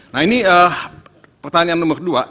nah ini pertanyaan nomor dua